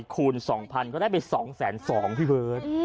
คูณ๒๐๐๐ก็ได้ไป๒แสน๒พี่เบิร์ด